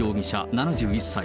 ７１歳。